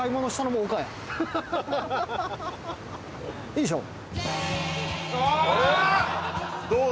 いいでしょ？